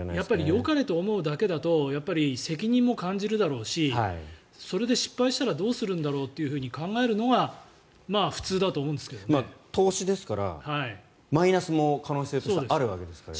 よかれと思うだけだと責任も感じるだろうしそれで失敗したらどうするんだろうと考えるのが投資ですからマイナスも可能性としてはあるわけですから。